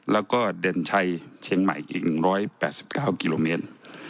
และเด่นชัยเชียงใหม่๑๘๙กิโลเมตร